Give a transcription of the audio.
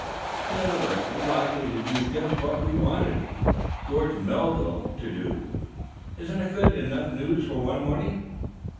In other words, he's likely to do just what we wanted George Melville to do. Isn't that good enough news for one morning?"